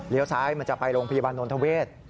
เลี้ยวซ้ายมันจะไปโรงพยาบาลนทเวท